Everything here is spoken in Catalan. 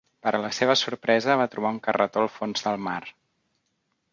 Per a la seva sorpresa, va trobar un carretó al fons del mar.